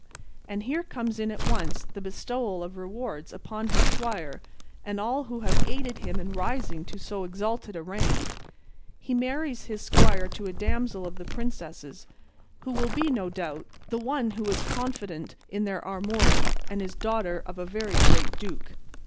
And here comes in at once the bestowal of rewards upon his squire and all who have aided him in rising to so exalted a rank. He marries his squire to a damsel of the princess's, who will be, no doubt, the one who was confidante in their amour, and is daughter of a very great duke."